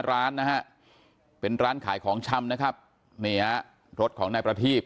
ร้านนะฮะเป็นร้านขายของชำนะครับนี่ฮะรถของนายประทีบ